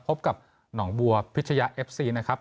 พบกับหนองบัวพิชยาเอฟซีนะครับ